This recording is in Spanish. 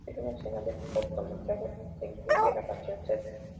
En una escena del cortometraje se incluye la canción "St.